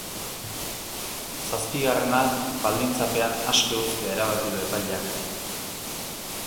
Zazpigarrena baldintzapean aske uztea erabaki du epaileak.